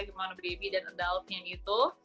kimono baby dan adultnya itu